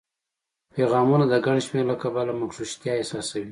پیغامونو د ګڼ شمېر له کبله مغشوشتیا احساسوي